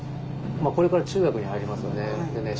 これから中学に入りますよね。